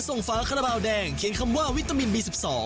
คุณต้องไปดูด้วยว่ากติกาเป็นอย่างไรติดตามกันเลยครับ